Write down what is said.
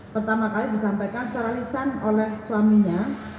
pertama kali disampaikan secara lisan oleh suaminya